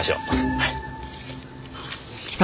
はい。